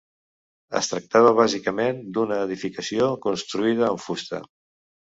Es tractava bàsicament d'una edificació construïda amb fusta.